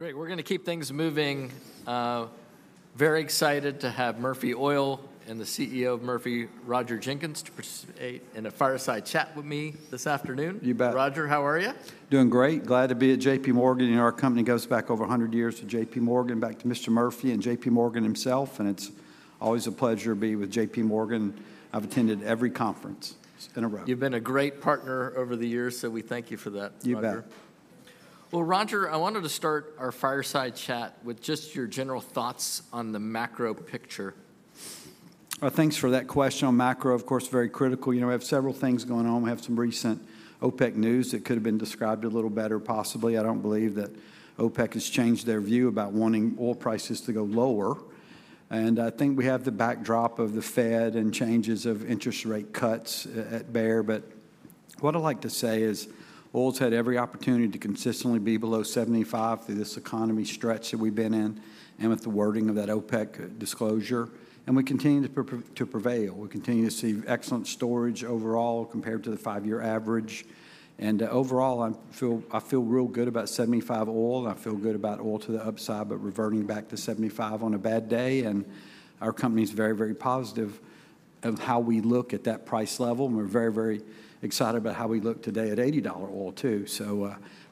Great. We're going to keep things moving. Very excited to have Murphy Oil and the CEO of Murphy, Roger Jenkins, to participate in a fireside chat with me this afternoon. You bet. Roger, how are you? Doing great. Glad to be at JPMorgan. You know, our company goes back over 100 years to JPMorgan, back to Mr. Murphy and JPMorgan himself. It's always a pleasure to be with JPMorgan. I've attended every conference in a row. You've been a great partner over the years, so we thank you for that, Roger. You bet. Well, Roger, I wanted to start our fireside chat with just your general thoughts on the macro picture. Thanks for that question. On macro, of course, very critical. You know, we have several things going on. We have some recent OPEC news that could have been described a little better, possibly. I don't believe that OPEC has changed their view about wanting oil prices to go lower. And I think we have the backdrop of the Fed and changes of interest rate cuts at bear. But what I'd like to say is oil's had every opportunity to consistently be below $75 through this economy stretch that we've been in and with the wording of that OPEC disclosure. And we continue to prevail. We continue to see excellent storage overall compared to the five-year average. And overall, I feel real good about $75 oil. I feel good about oil to the upside, but reverting back to $75 on a bad day. Our company's very, very positive of how we look at that price level. We're very, very excited about how we look today at $80 oil, too.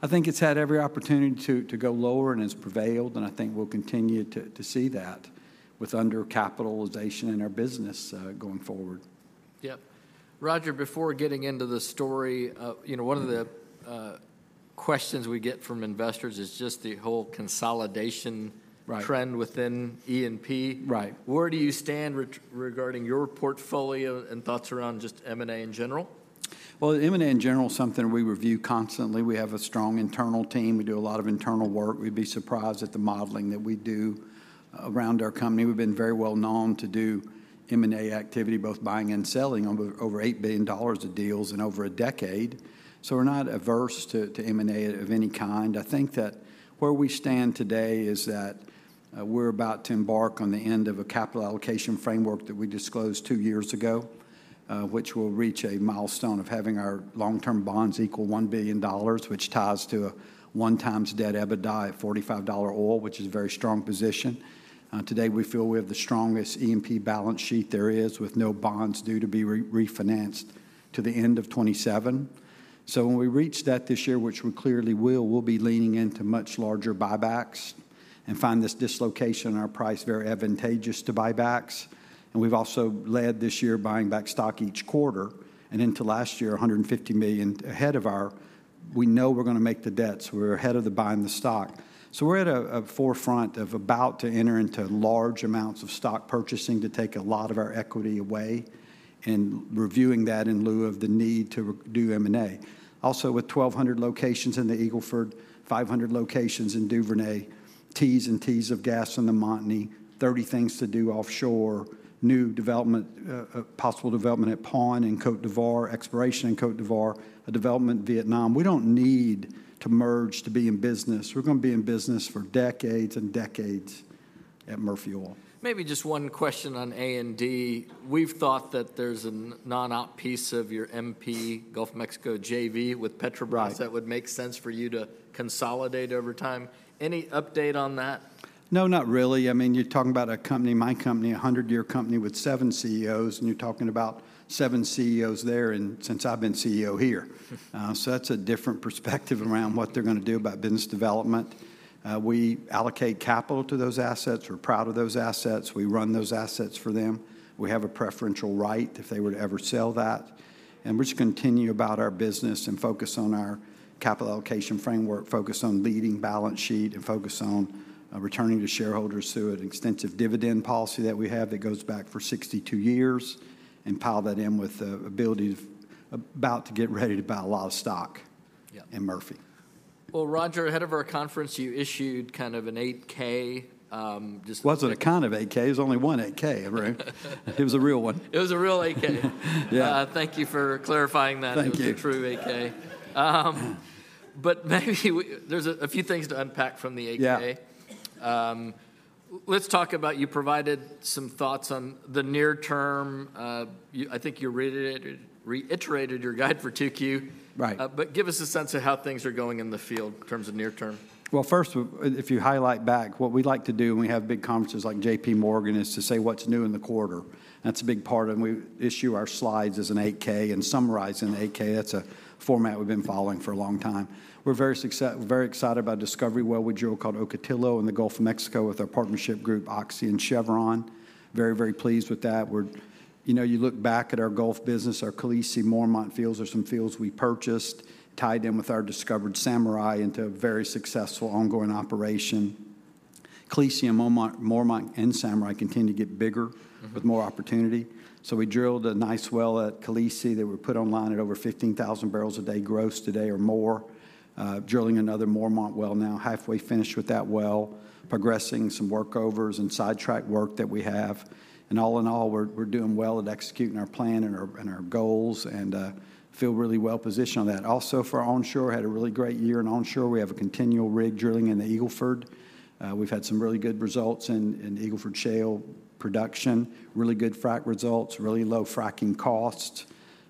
I think it's had every opportunity to go lower and has prevailed. I think we'll continue to see that with undercapitalization in our business going forward. Yep. Roger, before getting into the story, you know, one of the questions we get from investors is just the whole consolidation trend within E&P. Right. Where do you stand regarding your portfolio and thoughts around just M&A in general? Well, M&A in general is something we review constantly. We have a strong internal team. We do a lot of internal work. We'd be surprised at the modeling that we do around our company. We've been very well known to do M&A activity, both buying and selling over $8 billion of deals in over a decade. So we're not averse to M&A of any kind. I think that where we stand today is that we're about to embark on the end of a capital allocation framework that we disclosed two years ago, which will reach a milestone of having our long-term bonds equal $1 billion, which ties to a 1x debt-to-EBITDA at $45 oil, which is a very strong position. Today, we feel we have the strongest E&P balance sheet there is, with no bonds due to be refinanced to the end of 2027. So when we reach that this year, which we clearly will, we'll be leaning into much larger buybacks and find this dislocation in our price very advantageous to buybacks. And we've also led this year buying back stock each quarter and into last year, $150 million ahead of our we know we're going to make the debts. We're ahead of the buying the stock. So we're at a forefront of about to enter into large amounts of stock purchasing to take a lot of our equity away and reviewing that in lieu of the need to do M&A. Also, with 1,200 locations in the Eagle Ford, 500 locations in Duvernay, TCFs and TCFs of gas in the Montney, 30 things to do offshore, new development, possible development at Paon and Côte d'Ivoire, exploration in Côte d'Ivoire, a development in Vietnam. We don't need to merge to be in business. We're going to be in business for decades and decades at Murphy Oil. Maybe just one question on A&D. We've thought that there's a knockout piece of your MP, Gulf of Mexico JV with Petrobras that would make sense for you to consolidate over time. Any update on that? No, not really. I mean, you're talking about a company, my company, a 100-year company with seven CEOs, and you're talking about seven CEOs there since I've been CEO here. So that's a different perspective around what they're going to do about business development. We allocate capital to those assets. We're proud of those assets. We run those assets for them. We have a preferential right if they were to ever sell that. And we're just going to continue about our business and focus on our capital allocation framework, focus on leading balance sheet and focus on returning to shareholders through an extensive dividend policy that we have that goes back for 62 years and pile that in with the ability to about to get ready to buy a lot of stock in Murphy. Well, Roger, ahead of our conference, you issued kind of an 8-K. Wasn't a kind of 8-K. There's only one 8-K, everyone. It was a real one. It was a real 8-K. Yeah. Thank you for clarifying that. Thank you. It was a true 8-K. But maybe there's a few things to unpack from the 8-K. Yeah. Let's talk about you provided some thoughts on the near term. I think you reiterated your guide for 2Q. Right. Give us a sense of how things are going in the field in terms of near term. Well, first, if you highlight back, what we like to do when we have big conferences like JPMorgan is to say what's new in the quarter. That's a big part of it. We issue our slides as an 8-K and summarize in the 8-K. That's a format we've been following for a long time. We're very excited about discovery well with a drill called Ocotillo in the Gulf of Mexico with our partnership group, Oxy and Chevron. Very, very pleased with that. You know, you look back at our gulf business, our Khaleesi, Mormont fields are some fields we purchased, tied in with our discovered Samurai into a very successful ongoing operation. Khaleesi and Mormont and Samurai continue to get bigger with more opportunity. So we drilled a nice well at Khaleesi that we put online at over 15,000 barrels a day gross today or more, drilling another Mormont well now, halfway finished with that well, progressing some workovers and sidetrack work that we have. And all in all, we're doing well at executing our plan and our goals and feel really well positioned on that. Also, for onshore, had a really great year in onshore. We have a continual rig drilling in the Eagle Ford. We've had some really good results in Eagle Ford shale production, really good frac results, really low fracking costs.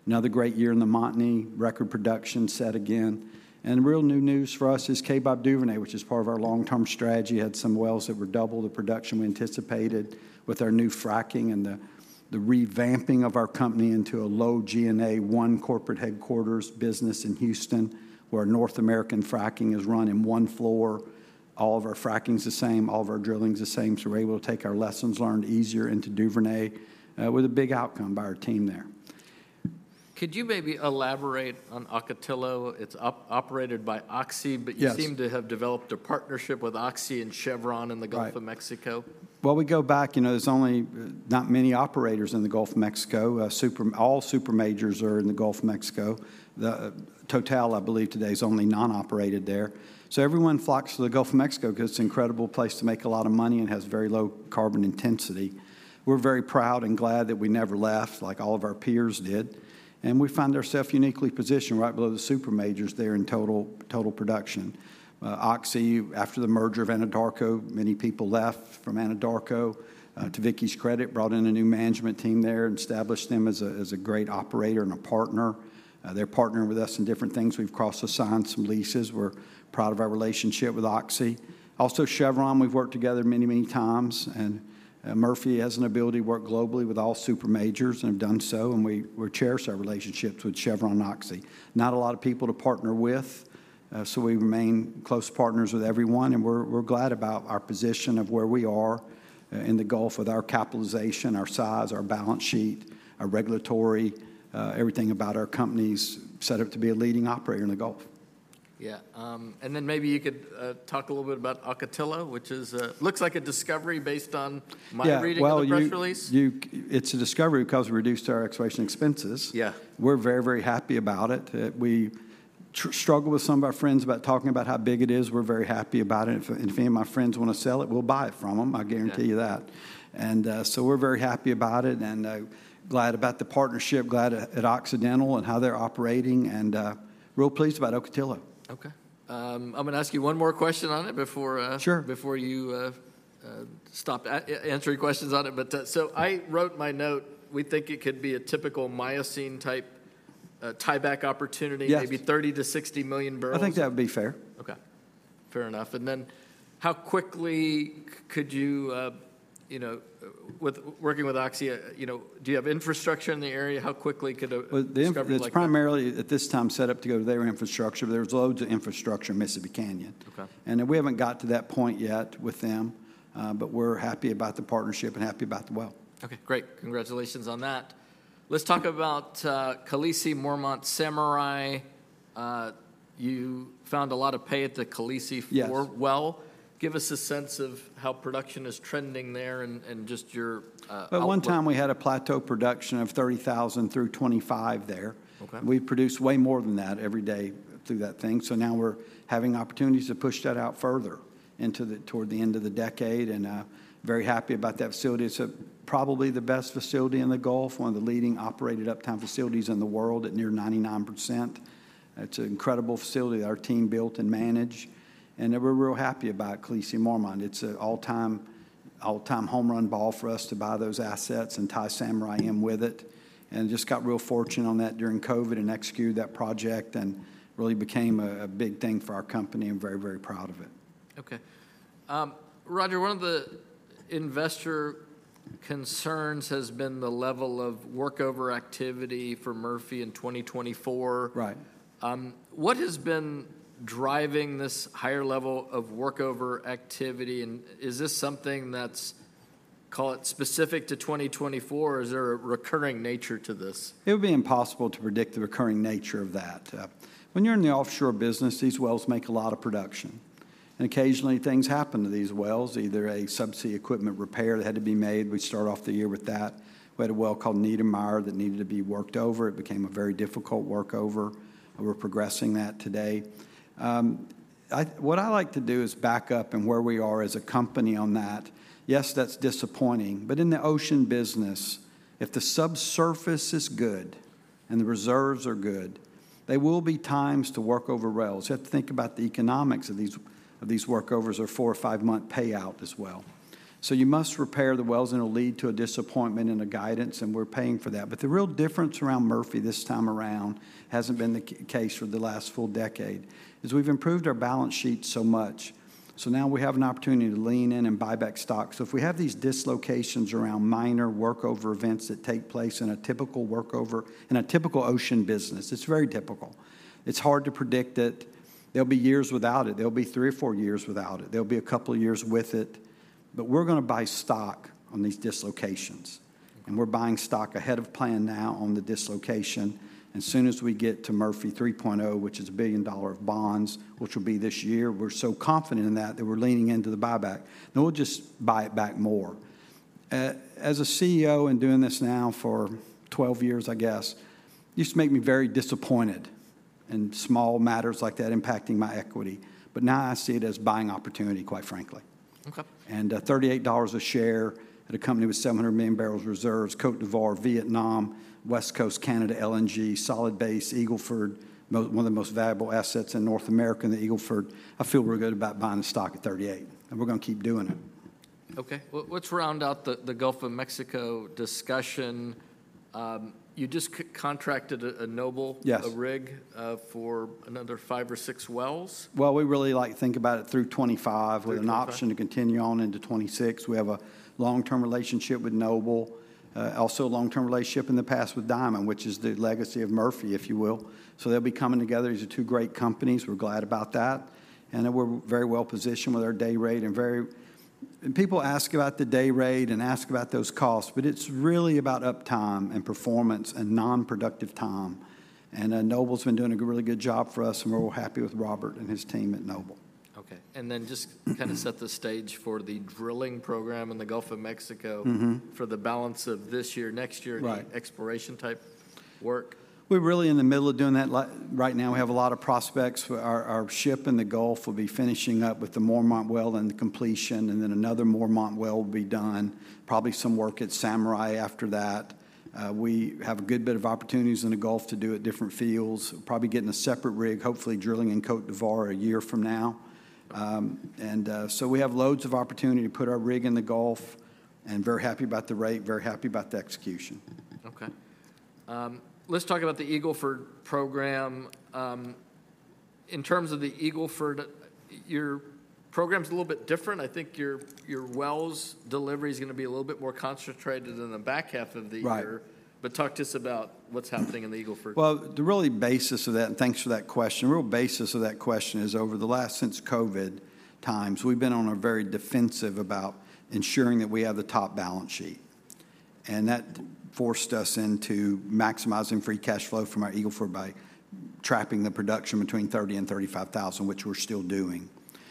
Another great year in the Montney, record production set again. Real new news for us is Kaybob Duvernay, which is part of our long-term strategy, had some wells that were double the production we anticipated with our new fracking and the revamping of our company into a low G&A one corporate headquarters business in Houston, where our North American fracking is run in one floor. All of our fracking's the same, all of our drilling's the same. So we're able to take our lessons learned easier into Duvernay with a big outcome by our team there. Could you maybe elaborate on Ocotillo? It's operated by Oxy, but you seem to have developed a partnership with Oxy and Chevron in the Gulf of Mexico. Well, we go back, you know, there's only not many operators in the Gulf of Mexico. All super majors are in the Gulf of Mexico. Total, I believe, today is only non-operated there. So everyone flocks to the Gulf of Mexico because it's an incredible place to make a lot of money and has very low carbon intensity. We're very proud and glad that we never left, like all of our peers did. And we find ourselves uniquely positioned right below the super majors there in total production. Oxy, after the merger of Anadarko, many people left from Anadarko. To Vicki's credit, brought in a new management team there and established them as a great operator and a partner. They're partnering with us in different things. We've crossed assignments, some leases. We're proud of our relationship with Oxy. Also, Chevron, we've worked together many, many times. Murphy has an ability to work globally with all super majors and have done so. We cherish our relationships with Chevron and Oxy. Not a lot of people to partner with, so we remain close partners with everyone. We're glad about our position of where we are in the Gulf with our capitalization, our size, our balance sheet, our regulatory, everything about our companies set up to be a leading operator in the Gulf. Yeah. And then maybe you could talk a little bit about Ocotillo, which looks like a discovery based on my reading of the press release. Well, it's a discovery because we reduced our exploration expenses. Yeah. We're very, very happy about it. We struggle with some of our friends about talking about how big it is. We're very happy about it. If any of my friends want to sell it, we'll buy it from them. I guarantee you that. And so we're very happy about it and glad about the partnership, glad at Occidental and how they're operating and real pleased about Ocotillo. Okay. I'm going to ask you one more question on it before. Sure. Before you stop answering questions on it. But so I wrote my note, we think it could be a typical Miocene-type tieback opportunity, maybe 30-60 million barrels. I think that would be fair. Okay. Fair enough. And then how quickly could you, you know, with working with Oxy, you know, do you have infrastructure in the area? How quickly could a discovery? Well, the infrastructure is primarily at this time set up to go to their infrastructure. There's loads of infrastructure in Mississippi Canyon. Okay. We haven't got to that point yet with them, but we're happy about the partnership and happy about the well. Okay. Great. Congratulations on that. Let's talk about Khaleesi, Mormont Samurai. You found a lot of pay at the Khaleesi well. Give us a sense of how production is trending there and just your. Well, one time we had a plateau production of 30,000 through 25 there. Okay. We produce way more than that every day through that thing. So now we're having opportunities to push that out further toward the end of the decade. And very happy about that facility. It's probably the best facility in the Gulf, one of the leading operated uptime facilities in the world at near 99%. It's an incredible facility that our team built and managed. And we're real happy about Khaleesi, Mormont. It's an all-time home run ball for us to buy those assets and tie Samurai in with it. And just got real fortunate on that during COVID and executed that project and really became a big thing for our company. I'm very, very proud of it. Okay. Roger, one of the investor concerns has been the level of workover activity for Murphy in 2024. Right. What has been driving this higher level of workover activity? And is this something that's, call it specific to 2024, or is there a recurring nature to this? It would be impossible to predict the recurring nature of that. When you're in the offshore business, these wells make a lot of production. And occasionally things happen to these wells, either a subsea equipment repair that had to be made. We start off the year with that. We had a well called Neidermeyer that needed to be worked over. It became a very difficult workover. We're progressing that today. What I like to do is back up and where we are as a company on that. Yes, that's disappointing. But in the ocean business, if the subsurface is good and the reserves are good, there will be times to work over wells. You have to think about the economics of these workovers or four- or five-month payout as well. So you must repair the wells, and it'll lead to a disappointment and a guidance, and we're paying for that. But the real difference around Murphy this time around, which hasn't been the case for the last full decade, is we've improved our balance sheet so much. So now we have an opportunity to lean in and buy back stock. So if we have these dislocations around minor workover events that take place in a typical workover in a typical ocean business, it's very typical. It's hard to predict it. There'll be years without it. There'll be three or four years without it. There'll be a couple of years with it. But we're going to buy stock on these dislocations. And we're buying stock ahead of plan now on the dislocation. As soon as we get to Murphy 3.0, which is $1 billion of bonds, which will be this year, we're so confident in that that we're leaning into the buyback. And we'll just buy it back more. As a CEO and doing this now for 12 years, I guess, used to make me very disappointed in small matters like that impacting my equity. But now I see it as buying opportunity, quite frankly. Okay. $38 a share at a company with 700 million barrels reserves, Côte d'Ivoire, Vietnam, West Coast, Canada, LNG, solid base, Eagle Ford, one of the most valuable assets in North America, the Eagle Ford, I feel real good about buying the stock at $38. We're going to keep doing it. Okay. Well, let's round out the Gulf of Mexico discussion. You just contracted a Noble. Yes. A rig for another 5 or 6 wells. Well, we really like to think about it through 2025 with an option to continue on into 2026. We have a long-term relationship with Noble, also a long-term relationship in the past with Diamond, which is the legacy of Murphy, if you will. So they'll be coming together. These are two great companies. We're glad about that. And we're very well positioned with our day rate and very people ask about the day rate and ask about those costs, but it's really about uptime and performance and non-productive time. And Noble's been doing a really good job for us, and we're all happy with Robert and his team at Noble. Okay. And then just kind of set the stage for the drilling program in the Gulf of Mexico for the balance of this year, next year? Right. Exploration type work. We're really in the middle of doing that right now. We have a lot of prospects. Our ship in the Gulf will be finishing up with the Mormont well and the completion, and then another Mormont well will be done. Probably some work at Samurai after that. We have a good bit of opportunities in the Gulf to do at different fields. Probably getting a separate rig, hopefully drilling in Côte d'Ivoire a year from now. And so we have loads of opportunity to put our rig in the Gulf and very happy about the rate, very happy about the execution. Okay. Let's talk about the Eagle Ford program. In terms of the Eagle Ford, your program's a little bit different. I think your wells delivery is going to be a little bit more concentrated in the back half of the year. Right. But talk to us about what's happening in the Eagle Ford. Well, the really basis of that, and thanks for that question, the real basis of that question is over the last since COVID times, we've been on a very defensive about ensuring that we have the top balance sheet. That forced us into maximizing free cash flow from our Eagle Ford by trapping the production between 30,000-35,000, which we're still doing.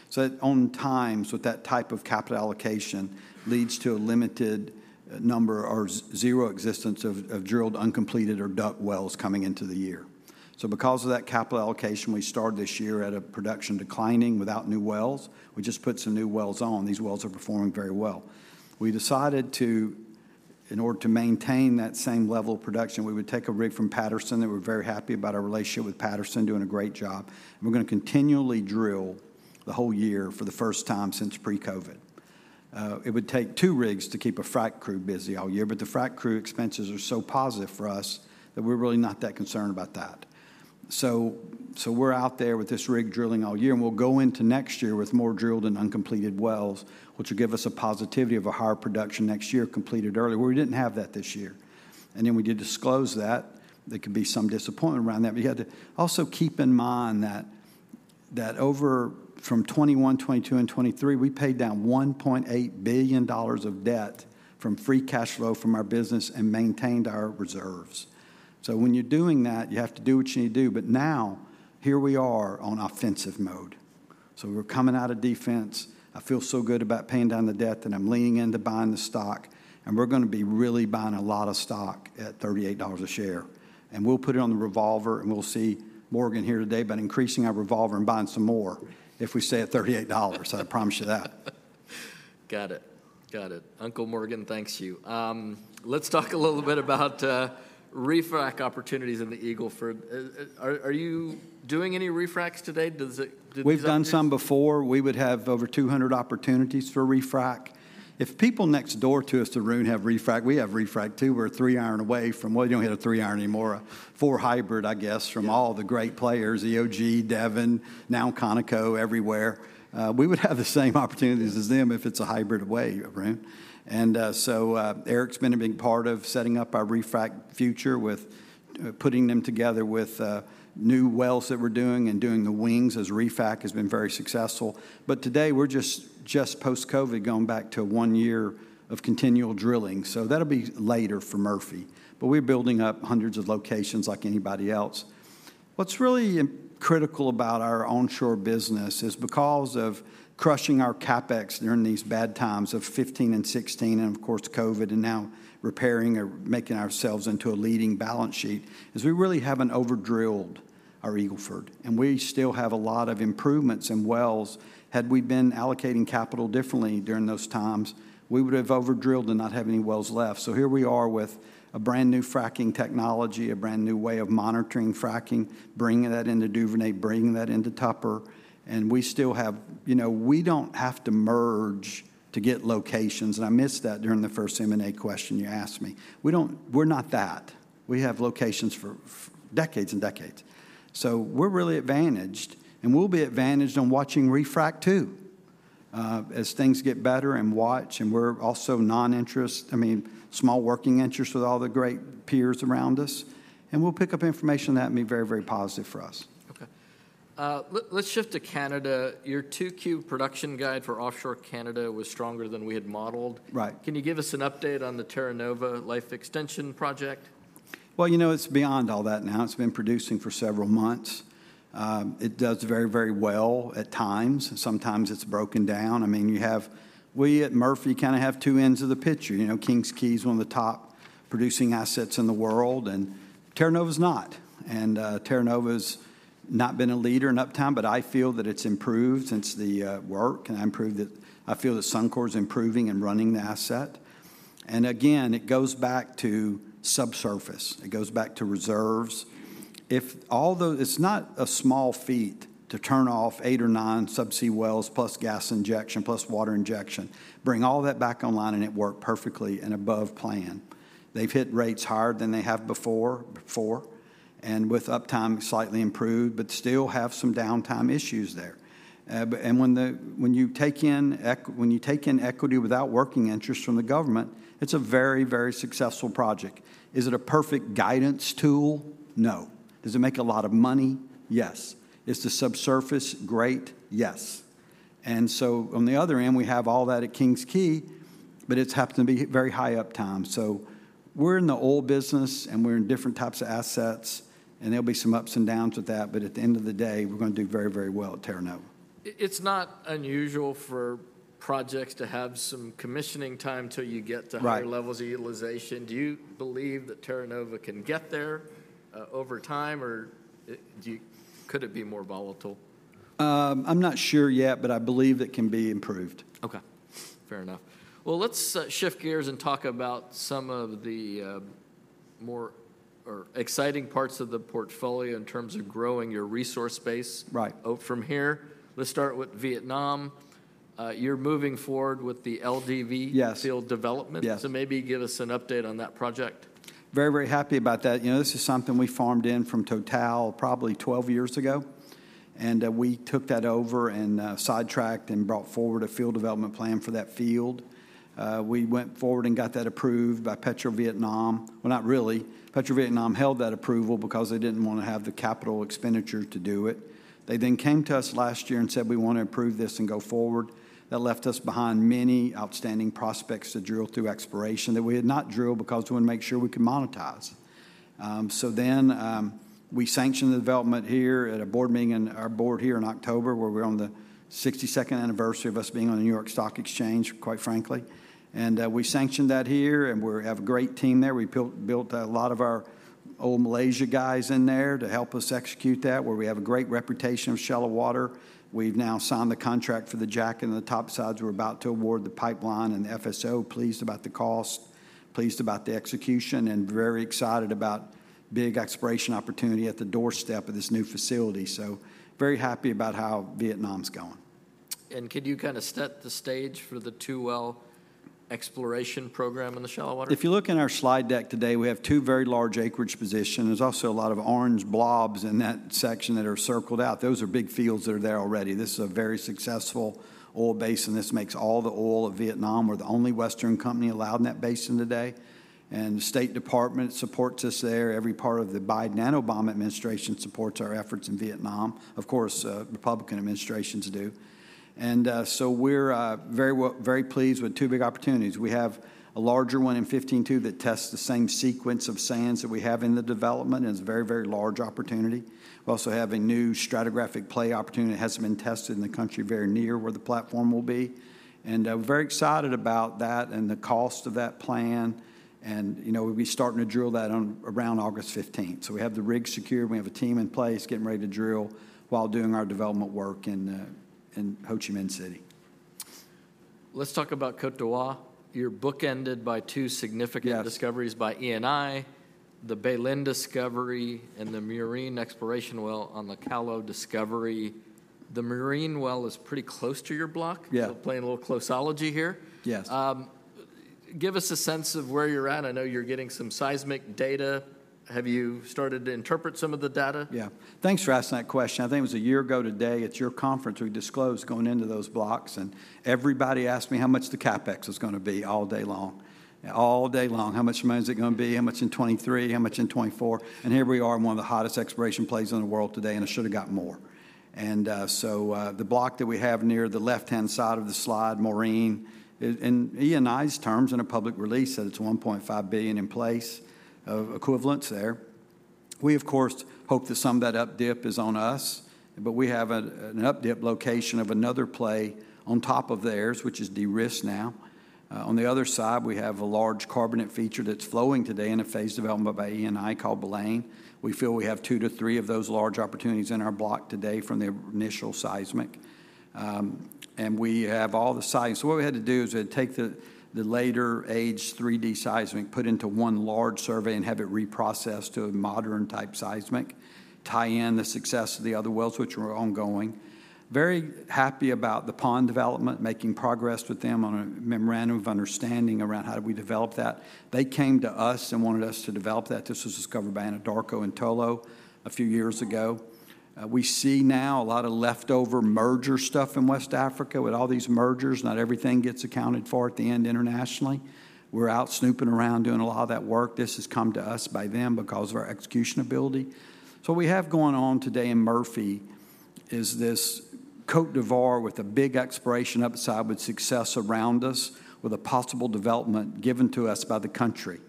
So on times with that type of capital allocation leads to a limited number or zero existence of drilled uncompleted or DUC wells coming into the year. So because of that capital allocation, we started this year at a production declining without new wells. We just put some new wells on. These wells are performing very well. We decided to, in order to maintain that same level of production, we would take a rig from Patterson-UTI. We're very happy about our relationship with Patterson doing a great job. We're going to continually drill the whole year for the first time since pre-COVID. It would take two rigs to keep a frac crew busy all year, but the frac crew expenses are so positive for us that we're really not that concerned about that. So we're out there with this rig drilling all year, and we'll go into next year with more drilled and uncompleted wells, which will give us a positivity of a higher production next year completed early, where we didn't have that this year. Then we did disclose that. There could be some disappointment around that. But you had to also keep in mind that over from 2021, 2022, and 2023, we paid down $1.8 billion of debt from free cash flow from our business and maintained our reserves. So when you're doing that, you have to do what you need to do. But now here we are on offensive mode. So we're coming out of defense. I feel so good about paying down the debt, and I'm leaning into buying the stock. And we're going to be really buying a lot of stock at $38 a share. And we'll put it on the revolver, and we'll see Morgan here today about increasing our revolver and buying some more if we stay at $38. I promise you that. Got it. Got it. JPMorgan, thank you. Let's talk a little bit about refract opportunities in the Eagle Ford. Are you doing any refracts today? Does it. We've done some before. We would have over 200 opportunities for refract. If people next door to us at Verdun have refract, we have refract too. We're three iron away from, well, you don't hit a three iron anymore, a four hybrid, I guess, from all the great players, EOG, Devon, now Conoco, everywhere. We would have the same opportunities as them if it's a hybrid away, right? And so Eric's been a big part of setting up our refract future with putting them together with new wells that we're doing and doing the wings as refract has been very successful. But today we're just post-COVID going back to one year of continual drilling. So that'll be later for Murphy. But we're building up hundreds of locations like anybody else. What's really critical about our onshore business is because of crushing our CapEx during these bad times of 2015 and 2016 and of course COVID and now repairing or making ourselves into a leading balance sheet is we really haven't overdrilled our Eagle Ford. And we still have a lot of improvements and wells. Had we been allocating capital differently during those times, we would have overdrilled and not have any wells left. So here we are with a brand new fracking technology, a brand new way of monitoring fracking, bringing that into Duvernay, bringing that into Tupper. And we still have, you know, we don't have to merge to get locations. And I missed that during the first M&A question you asked me. We don't, we're not that. We have locations for decades and decades. So we're really advantaged, and we'll be advantaged on watching refract too as things get better and watch. And we're also non-interest, I mean, small working interest with all the great peers around us. And we'll pick up information that may be very, very positive for us. Okay. Let's shift to Canada. Your Q2 production guide for offshore Canada was stronger than we had modeled. Right. Can you give us an update on the Terra Nova life extension project? Well, you know, it's beyond all that now. It's been producing for several months. It does very, very well at times. Sometimes it's broken down. I mean, you have, we at Murphy kind of have two ends of the picture. You know, King's Quay is one of the top producing assets in the world, and Terra Nova's not. And Terra Nova's not been a leader in uptime, but I feel that it's improved since the work. And I improved it. I feel that Suncor is improving and running the asset. And again, it goes back to subsurface. It goes back to reserves. If all those, it's not a small feat to turn off eight or nine subsea wells plus gas injection plus water injection, bring all that back online and it worked perfectly and above plan. They've hit rates higher than they have before, before. With uptime slightly improved, but still have some downtime issues there. When you take in equity without working interest from the government, it's a very, very successful project. Is it a perfect guidance tool? No. Does it make a lot of money? Yes. Is the subsurface great? Yes. And so on the other end, we have all that at King's Quay, but it's happened to be very high uptime. So we're in the old business and we're in different types of assets, and there'll be some ups and downs with that. But at the end of the day, we're going to do very, very well at Terra Nova. It's not unusual for projects to have some commissioning time till you get to higher levels of utilization. Do you believe that Terra Nova can get there over time, or could it be more volatile? I'm not sure yet, but I believe it can be improved. Okay. Fair enough. Well, let's shift gears and talk about some of the more exciting parts of the portfolio in terms of growing your resource base. Right. From here. Let's start with Vietnam. You're moving forward with the LDV. Yes. Field development. Yes. Maybe give us an update on that project. Very, very happy about that. You know, this is something we farmed in from Total probably 12 years ago. And we took that over and sidetracked and brought forward a field development plan for that field. We went forward and got that approved by PetroVietnam. Well, not really. PetroVietnam held that approval because they didn't want to have the capital expenditure to do it. They then came to us last year and said, "We want to approve this and go forward." That left us behind many outstanding prospects to drill through exploration that we had not drilled because we wanted to make sure we could monetize. So then we sanctioned the development here at a board meeting in our board here in October where we're on the 62nd anniversary of us being on the New York Stock Exchange, quite frankly. We sanctioned that here, and we have a great team there. We built a lot of our old Malaysia guys in there to help us execute that, where we have a great reputation of shallow water. We've now signed the contract for the jack-up and the topsides. We're about to award the pipeline, and the FSO. Pleased about the cost, pleased about the execution, and very excited about big exploration opportunity at the doorstep of this new facility. So very happy about how Vietnam's going. Could you kind of set the stage for the two-well exploration program in the shallow water? If you look in our slide deck today, we have two very large acreage positions. There's also a lot of orange blobs in that section that are circled out. Those are big fields that are there already. This is a very successful oil basin. This makes all the oil of Vietnam. We're the only Western company allowed in that basin today. The State Department supports us there. Every part of the Biden and Obama administration supports our efforts in Vietnam. Of course, Republican administrations do. So we're very, very pleased with two big opportunities. We have a larger one in 2015 too that tests the same sequence of sands that we have in the development, and it's a very, very large opportunity. We also have a new stratigraphic play opportunity that hasn't been tested in the country very near where the platform will be. We're very excited about that and the cost of that plan. You know, we'll be starting to drill that around August 15th. We have the rig secured. We have a team in place getting ready to drill while doing our development work in Ho Chi Minh City. Let's talk about Côte d'Ivoire. You're bookended by two significant discoveries by Eni, the Baleine Discovery and the Murène Exploration Well on the Calao Discovery. The Murène Well is pretty close to your block. Yeah. So, playing a little closeology here. Yes. Give us a sense of where you're at. I know you're getting some seismic data. Have you started to interpret some of the data? Yeah. Thanks for asking that question. I think it was a year ago today at your conference, we disclosed going into those blocks, and everybody asked me how much the CapEx was going to be all day long. All day long, how much money is it going to be? How much in 2023? How much in 2024? And here we are in one of the hottest exploration plays in the world today, and it should have got more. And so the block that we have near the left-hand side of the slide, Murène, in Eni's terms and a public release said it's 1.5 billion in place of equivalents there. We, of course, hope that some of that updip is on us, but we have an updip location of another play on top of theirs, which is de-risked now. On the other side, we have a large carbonate feature that's flowing today in a phase development by Eni called Baleine. We feel we have two to three of those large opportunities in our block today from the initial seismic. And we have all the seismic. So what we had to do is we had to take the later age 3D seismic, put it into one large survey, and have it reprocessed to a modern type seismic, tie in the success of the other wells, which were ongoing. Very happy about the Paon development, making progress with them on a memorandum of understanding around how do we develop that. They came to us and wanted us to develop that. This was discovered by Anadarko and Tullow a few years ago. We see now a lot of leftover merger stuff in West Africa with all these mergers. Not everything gets accounted for at the end internationally. We're out snooping around doing a lot of that work. This has come to us by them because of our execution ability. So what we have going on today in Murphy is this Côte d'Ivoire with a big exploration upside with success around us, with a possible development given to us by the country.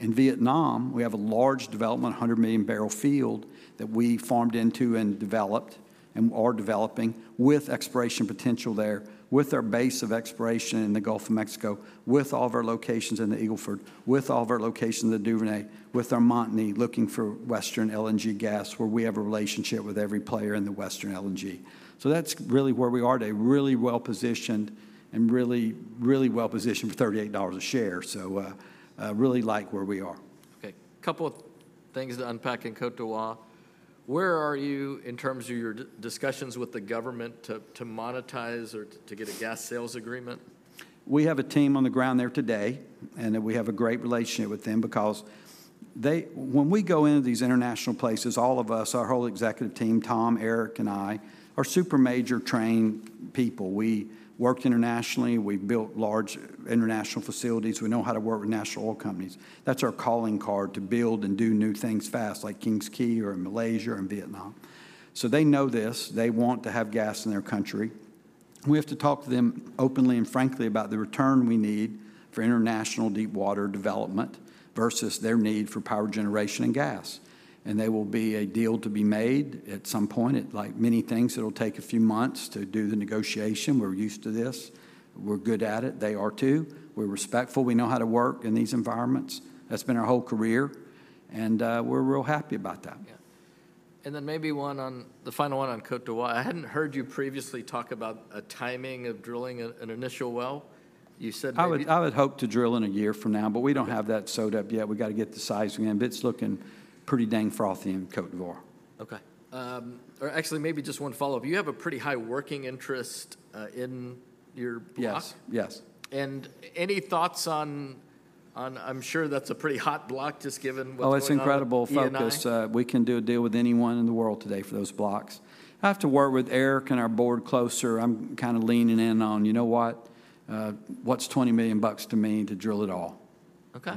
In Vietnam, we have a large development, 100 million barrel field that we farmed into and developed and are developing with exploration potential there, with our base of exploration in the Gulf of Mexico, with all of our locations in the Eagle Ford, with all of our locations in the Duvernay, with our Montney looking for Western LNG gas where we have a relationship with every player in the Western LNG. So that's really where we are today. Really well positioned and really, really well positioned for $38 a share. So I really like where we are. Okay. A couple of things to unpack in Côte d'Ivoire. Where are you in terms of your discussions with the government to monetize or to get a gas sales agreement? We have a team on the ground there today, and we have a great relationship with them because they, when we go into these international places, all of us, our whole executive team, Tom, Eric, and I, are super major trained people. We worked internationally. We built large international facilities. We know how to work with national oil companies. That's our calling card to build and do new things fast like King's Quay or Malaysia or Vietnam. So they know this. They want to have gas in their country. We have to talk to them openly and frankly about the return we need for international deep water development versus their need for power generation and gas. And there will be a deal to be made at some point. Like many things, it'll take a few months to do the negotiation. We're used to this. We're good at it. They are too. We're respectful. We know how to work in these environments. That's been our whole career. And we're real happy about that. Yeah. And then maybe one on the final one on Côte d'Ivoire. I hadn't heard you previously talk about a timing of drilling an initial well. You said. I would hope to drill in a year from now, but we don't have that sewed up yet. We got to get the seismic and it's looking pretty dang frothy in Côte d'Ivoire. Okay. Or actually maybe just one follow-up. You have a pretty high working interest in your block. Yes. Yes. Any thoughts on? I'm sure that's a pretty hot block just given what's going on. Oh, it's incredible focus. We can do a deal with anyone in the world today for those blocks. I have to work with Eric and our board closer. I'm kind of leaning in on, you know what, what's $20 million to me to drill it all. Okay.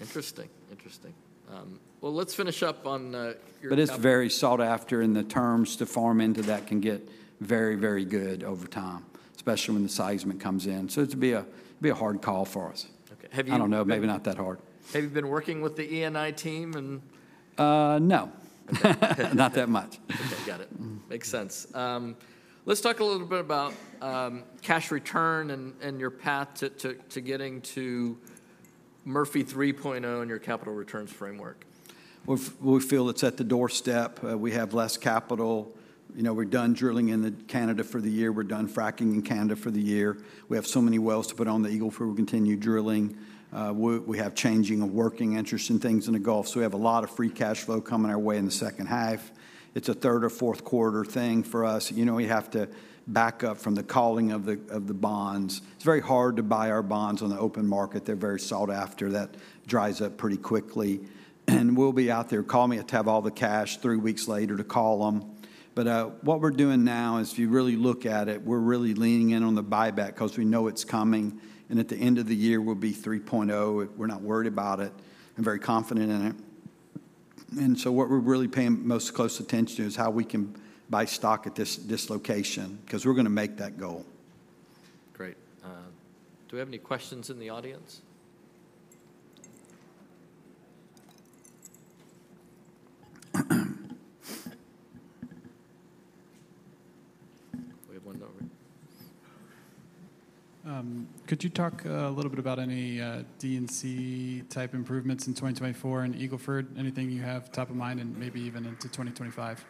Interesting. Interesting. Well, let's finish up on your. But it's very sought after in the terms to farm into that can get very, very good over time, especially when the seismic comes in. So it'd be a hard call for us. Okay. Have you? I don't know, maybe not that hard. Have you been working with the E&I team and? No. Not that much. Okay. Got it. Makes sense. Let's talk a little bit about cash return and your path to getting to Murphy 3.0 and your capital returns framework. We feel it's at the doorstep. We have less capital. You know, we're done drilling in Canada for the year. We're done fracking in Canada for the year. We have so many wells to put on the Eagle Ford. We'll continue drilling. We have changing of working interest in things in the Gulf. So we have a lot of free cash flow coming our way in the second half. It's a third or fourth quarter thing for us. You know, we have to back up from the calling of the bonds. It's very hard to buy our bonds on the open market. They're very sought after. That dries up pretty quickly. And we'll be out there. Call me at to have all the cash three weeks later to call them. What we're doing now is if you really look at it, we're really leaning in on the buyback because we know it's coming. At the end of the year, we'll be 3.0. We're not worried about it. I'm very confident in it. So what we're really paying most close attention to is how we can buy stock at this location because we're going to make that goal. Great. Do we have any questions in the audience? We have one over. Could you talk a little bit about any D&C type improvements in 2024 in Eagle Ford? Anything you have top of mind and maybe even into 2025?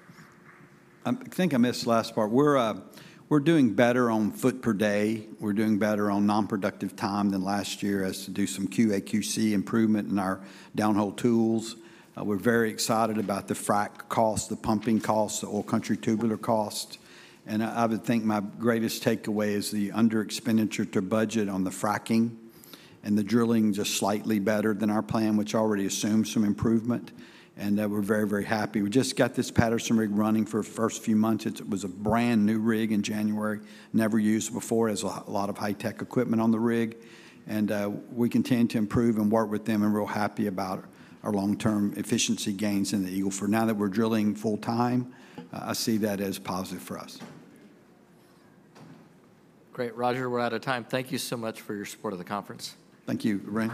I think I missed the last part. We're doing better on foot per day. We're doing better on non-productive time than last year as to do some QAQC improvement in our downhole tools. We're very excited about the frack cost, the pumping cost, the all-country tubular cost. And I would think my greatest takeaway is the under-expenditure to budget on the fracking and the drilling just slightly better than our plan, which already assumes some improvement. And we're very, very happy. We just got this Patterson rig running for the first few months. It was a brand new rig in January, never used before as a lot of high-tech equipment on the rig. And we continue to improve and work with them and real happy about our long-term efficiency gains in the Eagle Ford. Now that we're drilling full-time, I see that as positive for us. Great. Roger, we're out of time. Thank you so much for your support of the conference. Thank you, Arun.